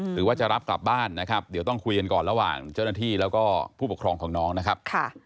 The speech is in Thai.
หรือว่าจะรับกลับบ้านนะครับเดี๋ยวต้องคุยกันก่อนระหว่างเจ้าหน้าที่แล้วก็ผู้ปกครองของน้องนะครับ